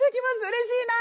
うれしいな！